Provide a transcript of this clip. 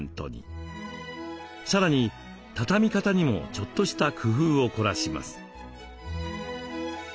さらに畳み方にもちょっとした工夫を凝らします。